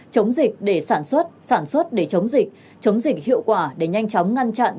chống dịch để sản xuất sản xuất để chống dịch chống dịch hiệu quả để nhanh chóng ngăn chặn